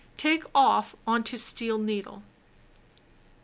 Take off on to steel needle.